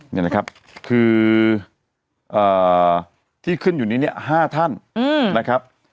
นี่นะครับคือที่ขึ้นอยู่นี้เนี่ย๕ท่านนะครับ